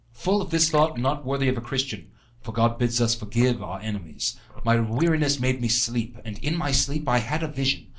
Full of this thought not worthy of a Christian (for God bids us forgive our enemies) my weariness made me sleep, and in my sleep I had a vision.